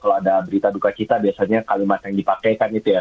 kalau ada berita duka cita biasanya kalimat yang dipakaikan itu ya